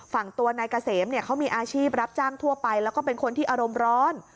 ฝั่งตัวนายเกษมเนี่ยเขามีอาชีพรับจ้างทั่วไปแล้วก็เป็นคนที่อารมณ์ร้อน